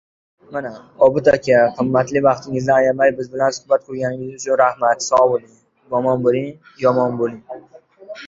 – Obid aka, qimmatli vaqtingizni ayamay biz bilan suhbat qurganingiz uchun rahmat.